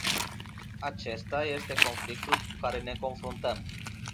Acesta este conflictul cu care ne confruntăm.